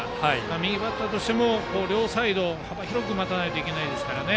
右バッターとしても両サイド、幅広く待たないといけないですから。